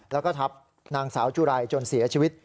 แล้วก็ทับนางสาวจุไรจนเสียชีวิต